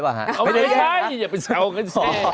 ไปแย่งจะเป็นเช้ิง